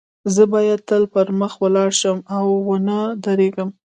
زه باید تل پر مخ ولاړ شم او و نه درېږم